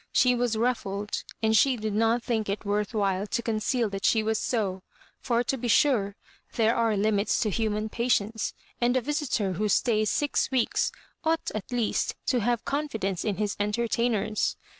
She was rufiled, and she did not think it worth while to conceal that she was so; for, to be sure, there are limits to human patience, and a visitor who stajrs six weeks ought at least to have confidence in his entertainers.